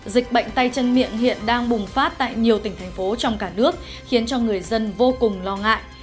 dịch bệnh tay chân miệng hiện đang bùng phát tại nhiều tỉnh thành phố trong cả nước khiến cho người dân vô cùng lo ngại